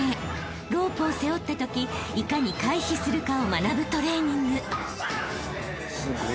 ［ロープを背負ったときいかに回避するかを学ぶトレーニング］